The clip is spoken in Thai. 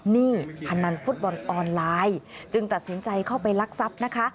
หนี้พนันฟุตบอลออนไลน์จึงตัดสินใจเข้าไปลักทรัพย์นะคะ